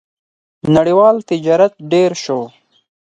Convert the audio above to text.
• نړیوال تجارت ډېر شو.